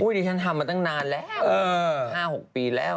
อุ้ยนี่ฉันทำมาตั้งนานแล้ว๕๖ปีแล้ว